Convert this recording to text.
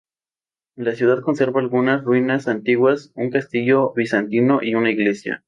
La ciudad conserva algunas ruinas antiguas, un castillo bizantino y una iglesia.